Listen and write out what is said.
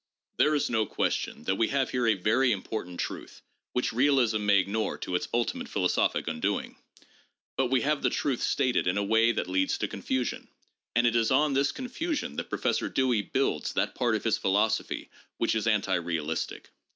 There is no question that we have here a very important truth which realism may ignore to its ultimate philosophic undoing. But we have the truth stated in a way that leads to confusion, and it is on this confusion that Professor Dewey builds that part of his philosophy which is anti realistic.